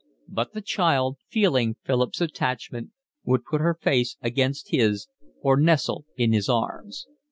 But the child, feeling Philip's attachment, would put her face against his or nestle in his arms.